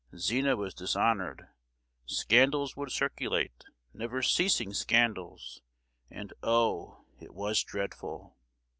Zina was dishonoured—scandals would circulate, never ceasing scandals; and—oh! it was dreadful!